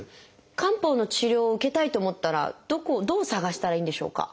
漢方の治療を受けたいと思ったらどこをどう探したらいいんでしょうか？